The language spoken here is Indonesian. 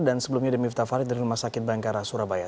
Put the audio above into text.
dan sebelumnya demi vita farid dari rumah sakit bankara surabaya